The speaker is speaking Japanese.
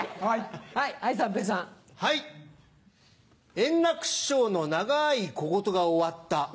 円楽師匠の長い小言が終わった。